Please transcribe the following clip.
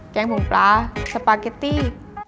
แกงผงปลาสปาเกตตี้